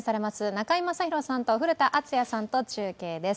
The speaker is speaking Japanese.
中居正広さんと古田敦也さんと中継です。